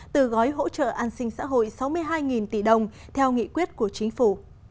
từ gói hỗ trợ an sinh xã hội sáu mươi hai tỷ đồng theo nghị quyết của chính phủ